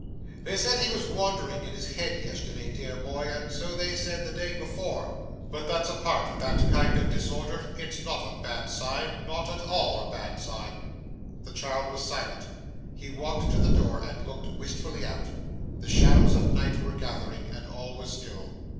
They said he was wandering in his head yesterday, dear boy, and so they said the day before. But that's a part of that kind of disorder; it's not a bad sign not at all a bad sign.' The child was silent. He walked to the door, and looked wistfully out. The shadows of night were gathering, and all was still.